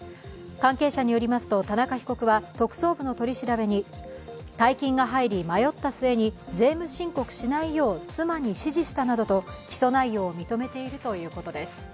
関係者によりますと、田中被告は特捜部の取り調べに大金が入り、迷った末に税務申告しないよう妻に指示したなどと起訴内容を認めているということです。